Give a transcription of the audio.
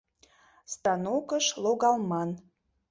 Станокыш логалман